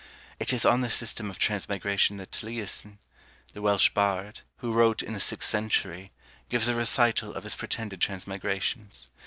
It is on this system of transmigration that Taliessin, the Welsh bard, who wrote in the sixth century, gives a recital of his pretended transmigrations.